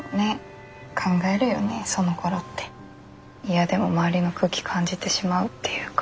嫌でも周りの空気感じてしまうっていうか。